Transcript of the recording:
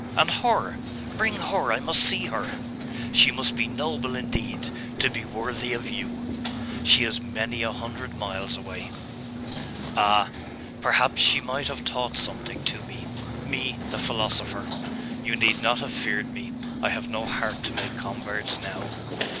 And her.... Bring her.... I must see her! She must be noble, indeed, to be worthy of you.' 'She is many a hundred miles away.' 'Ah! Perhaps she might have taught something to me me, the philosopher! You need not have feared me.... I have no heart to make converts now....